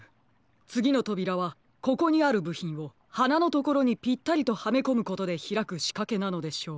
つぎのとびらはここにあるぶひんをはなのところにピッタリとはめこむことでひらくしかけなのでしょう。